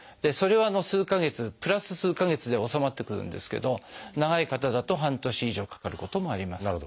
それは数か月プラス数か月で治まってくるんですけど長い方だと半年以上かかることもあります。